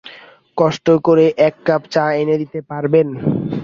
কষ্ট করে এক কাপ চা এনে দিতে পারবেন?